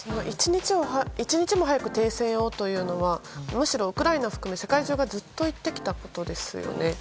一日も早く停戦をというのはむしろウクライナ含め世界中がずっと言ってきたことですよね。